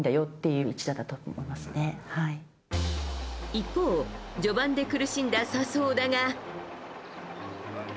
一方序盤で苦しんだ笹生だが。